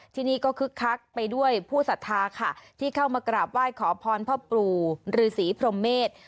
ที่นี่ก็คึกคักไปด้วยผู้ศรัทธาค่ะที่เข้ามากราบไหว้ขอพรพ่อปู่ฤษีพรมเมษ